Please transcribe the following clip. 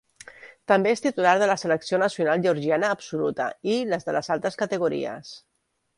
També és titular de la Selecció nacional georgiana absoluta i les de les altres categories.